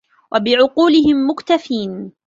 وَبِعُقُولِهِمْ مُكْتَفِينَ